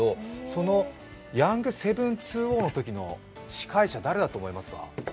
その「ヤング７２０」のときの司会者、誰だと思いますか？